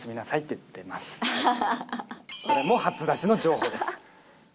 これも初出しの情報です。